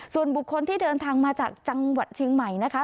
ส่วนบุคคลที่เดินทางมาจากจังหวัดเชียงใหม่นะคะ